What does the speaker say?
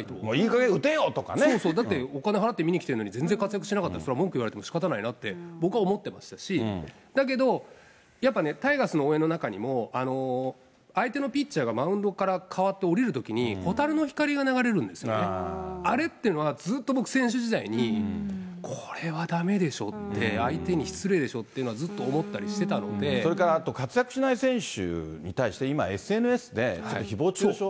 いいかげん、そうそう、だってお金払って見に来てるのに、全然活躍してなかったらそれは文句言われてもしかたないなって僕は思ってましたし、だけど、やっぱね、タイガースの応援の中にも、相手のピッチャーがマウンドからかわっておりるときに、ほたるの光が流れるんですよね、あれっていうのは、ずっと僕、選手時代に、これはだめでしょって、相手に失礼でしょっていうのは思ったりしそれからあと活躍しない選手に対して、今、ＳＮＳでひぼう中傷。